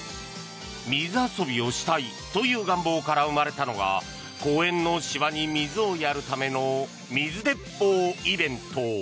水遊びをしたいという願望から生まれたのが公園の芝に水をやるための水鉄砲イベント。